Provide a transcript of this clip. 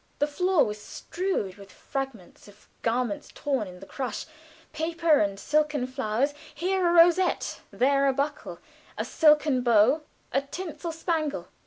The floor was strewed with fragments of garments torn in the crush paper and silken flowers, here a rosette, there a buckle, a satin bow, a tinsel spangle.